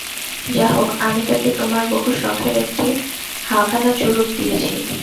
যা হোক, আমি তাকে তোমার বহু শখের একটি হাভানা চুরুট দিয়েছি।